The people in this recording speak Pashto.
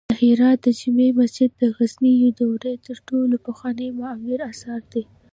د هرات د جمعې مسجد د غزنوي دورې تر ټولو پخوانی معماری اثر دی